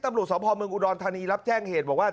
ตำรวจสพเมืองอุดรธานีรับแจ้งเหตุบอกว่า